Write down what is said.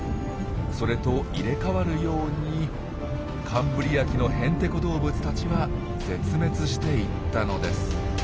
それと入れ代わるようにカンブリア紀のヘンテコ動物たちは絶滅していったのです。